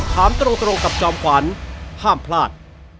ถามตรงกับจอมขวัญห้ามพลาด